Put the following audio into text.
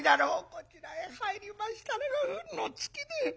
こちらへ入りましたのが運の尽きで。